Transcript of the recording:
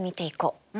うん。